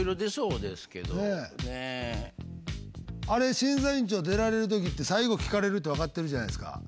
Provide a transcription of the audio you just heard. あれ審査委員長出られるときって最後聞かれるってわかってるじゃないですか。